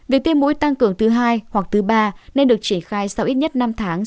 việc tiêm mũi tăng cường thứ hai hoặc thứ ba nên được triển khai sau ít nhất năm tháng